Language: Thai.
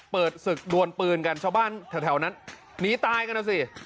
เปิดศึกดวนปืนกันชาวบ้านแถวนั้นหนีตายกันนะสิ